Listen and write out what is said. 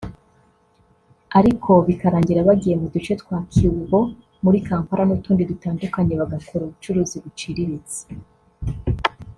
ariko bikarangira bagiye mu duce twa Kikuubo muri Kampala n’utundi dutandukanye bagakora ubucuruzi buciriritse